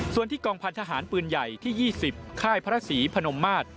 ส่วนที่กองพันธหารปืนใหญ่ที่๒๐ค่ายพระศรีพนมมาตร